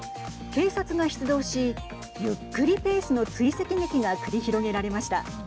警察が出動しゆっくりペースの追跡劇が繰り広げられました。